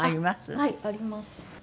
はいあります。